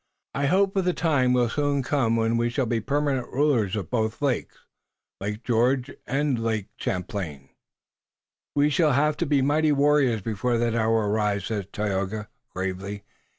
I hope the time will soon come when we shall be permanent rulers of both lakes, Andiatarocte and Oneadatote." "We shall have to be mighty warriors before that hour arrives," said Tayoga, gravely.